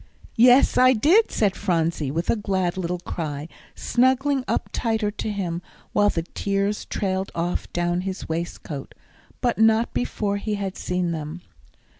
"Yes, I did," said Phronsie, with a glad little cry, snuggling up tighter to him, while the tears trailed off down his waistcoat, but not before he had seen them.